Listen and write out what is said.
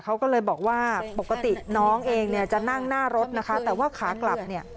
เขาก็เลยบอกว่าปกติน้องเองเนี่ยจะนั่งหน้ารถนะคะแต่ว่าขากลับเนี่ย